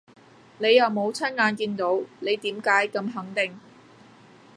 你又冇親眼見到，你點解咁肯定